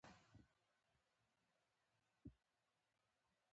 له بهرامه ښادي حرامه.